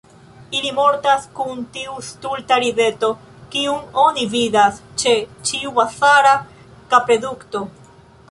Ili mortas kun tiu stulta rideto, kiun oni vidas ĉe ĉiu bazara kapredukto.